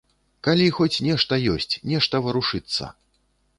Калі хоць нешта ёсць, нешта варушыцца.